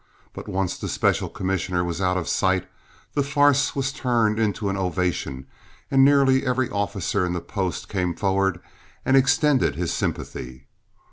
But once the special commissioner was out of sight, the farce was turned into an ovation, and nearly every officer in the post came forward and extended his sympathy.